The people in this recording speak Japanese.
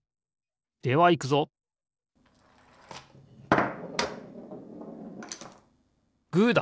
ではいくぞグーだ！